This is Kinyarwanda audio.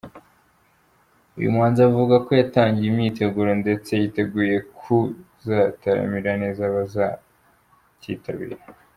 Uyu muhanzi avuga ko yatangiye imyiteguro ndetse yiteguye kuzataramira neza abazakitabira.